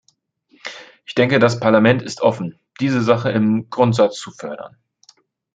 Ich denke, das Parlament ist offen, diese Sache im Grundsatz zu fördern.